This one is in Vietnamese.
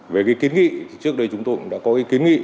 về kiến nghị trước đây chúng tôi cũng đã có kiến nghị